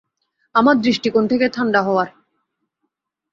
আমার দৃষ্টিকোণ থেকে ঠান্ডা হওয়ার।